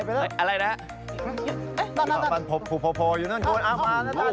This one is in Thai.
ผมเห็นตัวอะไรแปลงอยู่นั่นอะครับ